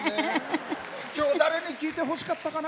今日、誰に聴いてほしかったかな？